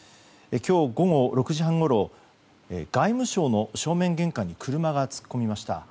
今日午後６時半ごろ外務省の正面玄関に車が突っ込みました。